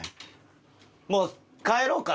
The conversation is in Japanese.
もう帰ろうか？